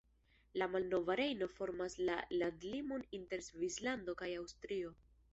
La malnova Rejno formas la landlimon inter Svislando kaj Aŭstrio.